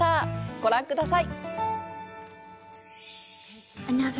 ご覧ください！